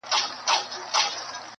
ډېر نومونه سول په منځ کي لاندي باندي-